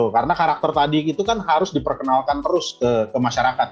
karena karakter tadi itu kan harus diperkenalkan terus ke masyarakat